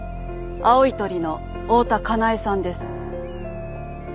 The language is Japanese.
青い鳥の大多香苗さんです。